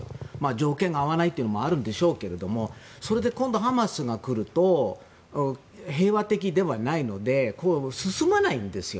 条件が合わないというのもあるんでしょうけどそれで今度ハマスが来ると平和的ではないので進まないんですよ。